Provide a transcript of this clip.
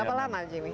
berapa lama jimmy